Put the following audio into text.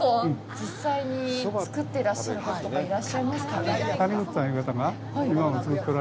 実際に作っていらっしゃる方とか、いらっしゃいますかね？